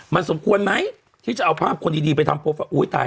มันสมควรไหมที่จะเอาภาพคนดีดีไปทำโปรไฟล์มอุ้ยตาย